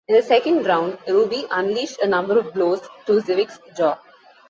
In the second round, Ruby unleashed a number of blows to Zivic's jaw.